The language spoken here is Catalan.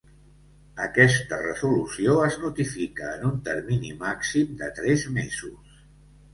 Aquesta resolució es notifica en un termini màxim de tres mesos.